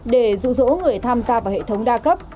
để dụ dỗ người tham gia vào hệ thống đa cấp